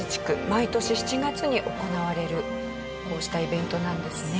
毎年７月に行われるこうしたイベントなんですね。